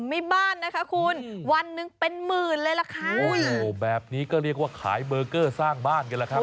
ไม่บ้านนะคะคุณวันหนึ่งเป็นหมื่นเลยล่ะค่ะโอ้โหแบบนี้ก็เรียกว่าขายเบอร์เกอร์สร้างบ้านกันแล้วครับ